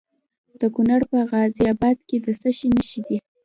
د کونړ په غازي اباد کې د څه شي نښې دي؟